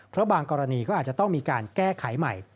เพราะบางกรณีก็อาจจะต้องมีการแก้ไขใหม่